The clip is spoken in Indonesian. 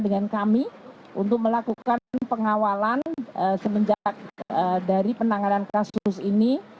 dan kami untuk melakukan pengawalan semenjak dari penanganan kasus ini